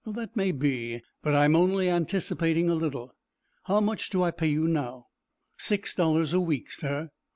"That may be, but I am only anticipating a little. How much do I pay you now?" "Six dollars a week, sir."